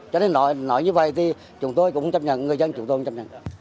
cho nên nói như vậy thì chúng tôi cũng chấp nhận người dân chúng tôi một chấp nhận